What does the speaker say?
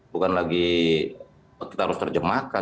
bukan lagi kita harus terjemahkan